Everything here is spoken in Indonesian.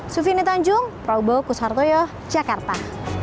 sufini tanjung prabowo kushartoyo jakarta